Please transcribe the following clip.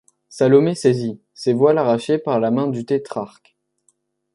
Salomé saisie, ses voiles arrachés par la main du tétrarque.